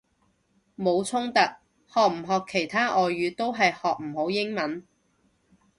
冇衝突，學唔學其他外語都係學唔好英文！